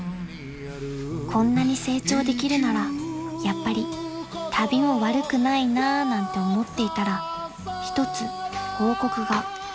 ［こんなに成長できるならやっぱり旅も悪くないなぁなんて思っていたら一つ報告が］